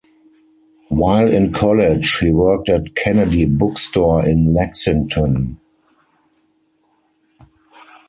While in college, he worked at Kennedy Book Store in Lexington.